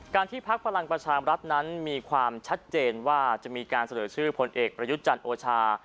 ที่พักพลังประชามรัฐนั้นมีความชัดเจนว่าจะมีการเสนอชื่อพลเอกประยุทธ์จันทร์โอชา